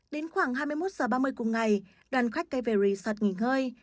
đến khoảng hai mươi một h ba mươi cùng ngày đoàn khách cây về resort nghỉ ngơi